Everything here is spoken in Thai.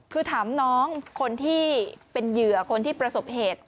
คือถามน้องคนที่เป็นเหยื่อคนที่ประสบเหตุ